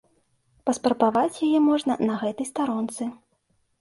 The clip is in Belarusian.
Паспрабаваць яе можна на гэтай старонцы.